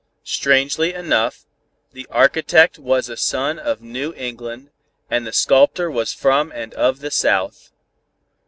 Strangely enough, the architect was a son of New England, and the Sculptor was from and of the South.